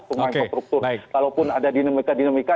pembangunan infrastruktur kalaupun ada dinamika dinamika